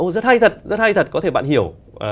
rất hay thật rất hay thật có thể bạn hiểu